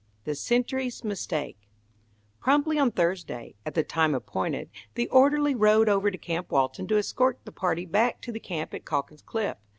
THE SENTRY'S MISTAKE Promptly on Thursday, at the time appointed, the orderly rode over to Camp Walton to escort the party back to the camp at Calkin's Cliff.